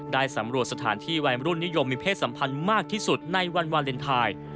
ได้สำรวจสถานที่วัยมรุ่นนิยมมีเพศสัมพันธ์มากที่สุดในวันวาเลนไทย